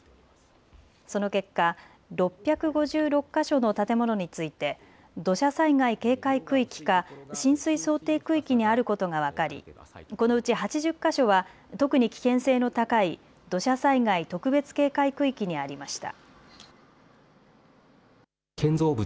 その結果、６５６か所の建物について土砂災害警戒区域か浸水想定区域にあることが分かり、このうち８０か所は特に危険性の高い土砂災害特別警戒区域にありました。